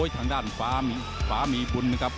ทางด้านฟ้ามีบุญนะครับ